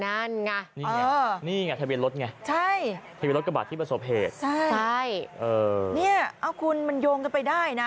นั่นไงนี่ไงนี่ไงทะเบียนรถไงใช่ทะเบียนรถกระบาดที่ประสบเหตุใช่ใช่เนี่ยเอาคุณมันโยงกันไปได้นะ